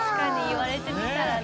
いわれてみたらね。